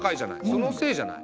そのせいじゃない？